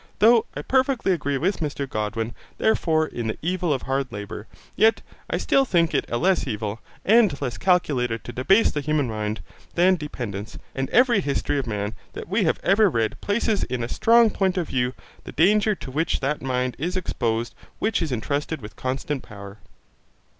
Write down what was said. Though I perfectly agree with Mr Godwin therefore in the evil of hard labour, yet I still think it a less evil, and less calculated to debase the human mind, than dependence, and every history of man that we have ever read places in a strong point of view the danger to which that mind is exposed which is entrusted with constant power.